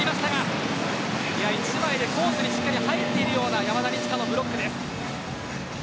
１枚でコートにしっかり入っているような山田二千華のブロックです。